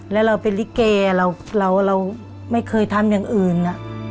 แล้วเราเป็นลิเกเราไม่เคยทำอย่างอื่น